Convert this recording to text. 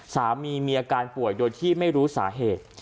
สามีมีอาการป่วยโดยที่ไม่รู้สาเหตุ